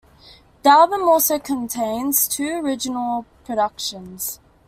The album also contains two original productions.